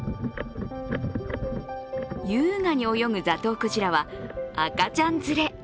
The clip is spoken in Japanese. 優雅に泳ぐザトウクジラは赤ちゃん連れ。